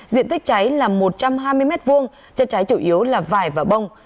diện tích cháy là một trăm hai mươi m hai chất cháy chủ yếu là vải và bông